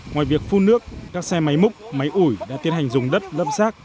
ngoài việc phun nước các xe máy múc máy ủi đã tiến hành dùng đất lấp rác